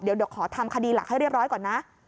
เดี๋ยวขอทำคดีหลักให้เรียบร้อยก่อนนะ